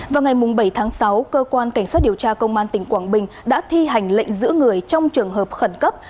vào ngày bảy tháng sáu cơ quan cảnh sát điều tra công an tỉnh quảng bình đã thi hành lệnh giữ người trong trường hợp khẩn cấp